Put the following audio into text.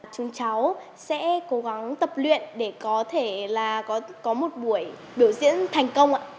chúng cháu sẽ cố gắng tập luyện để có thể có một buổi biểu diễn thành công